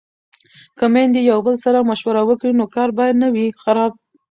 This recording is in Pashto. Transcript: که میندې یو بل سره مشوره وکړي نو کار به نه وي خراب.